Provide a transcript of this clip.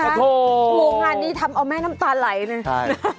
หัวงานนี้ทำเอาแม่น้ำตาไหลนี่